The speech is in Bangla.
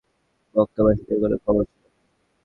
মক্কার এত কাছে পৌঁছার পরও মক্কাবাসীদের কোন খবর ছিল না।